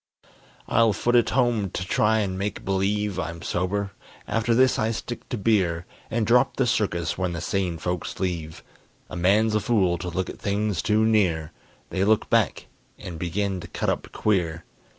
I'll foot it home, to try and make believe I'm sober. After this I stick to beer, And drop the circus when the sane folks leave. A man's a fool to look at things too near: They look back and begin to cut up queer.